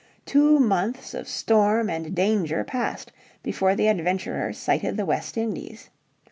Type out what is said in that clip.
Two months of storm and danger passed before the adventurers sighted the West Indies.